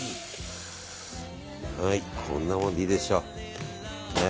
はい、こんなもんでいいでしょう。